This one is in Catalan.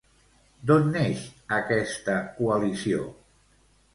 D'on neix aquesta coalició?